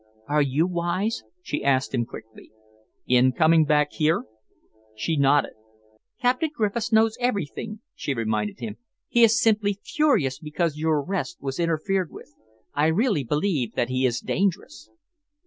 "Are you wise?" she asked him quickly. "In coming back here?" She nodded. "Captain Griffiths knows everything," she reminded him. "He is simply furious because your arrest was interfered with. I really believe that he is dangerous."